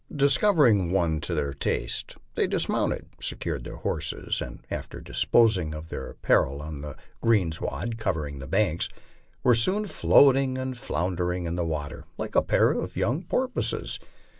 Discovering one to their taste, they dismounted, secured their horses, and, after disposing of their ap parel on the greensward covering the banks, were soon floating and flound eiing in the water like a pair of young porpoises.